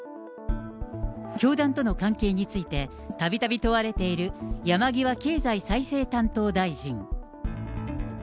教団との関係について、たびたび問われている山際経済再生担当大臣。